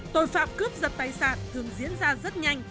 tội phạm cướp giật tài sản thường diễn ra rất nhanh